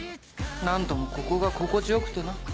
何ともここが心地良くてな。